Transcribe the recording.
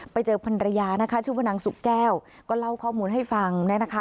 ไปเจอภรรยาชุมนังสุกแก้วก็เล่าข้อมูลให้ฟังนะคะ